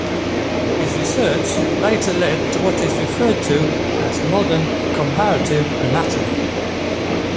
His research later led to what is referred to as modern comparative anatomy.